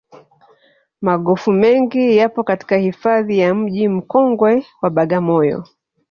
magofu mengi yapo katika hifadhi ya mji mkongwe wa bagamoyo